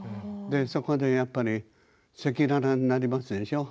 そこでやっぱり赤裸々になりますでしょう